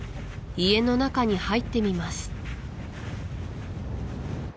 家の中に入ってみます